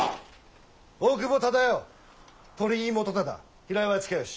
大久保忠世鳥居元忠平岩親吉